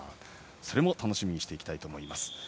それも楽しみにしていきたいと思います。